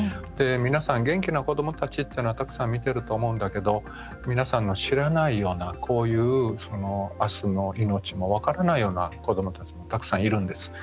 皆さん、元気な子どもたちというのはたくさん見てると思うんだけど皆さんが知らないようなこういう、あすの命も分からないような子どもたちもたくさんいるんです。